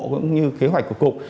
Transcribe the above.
cũng như kế hoạch của cục